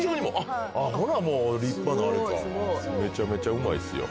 ほなもう立派なあれかめちゃめちゃうまいっすよ